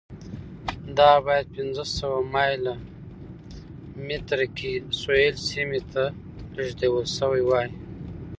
دا باید پنځه سوه مایل مترۍ کې سویل سیمې ته لېږدول شوې وای.